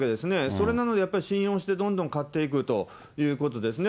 それなので、信用してどんどん買っていくということですね。